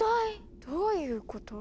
どういうこと？